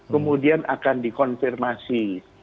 kemudian akan dikonfirmasi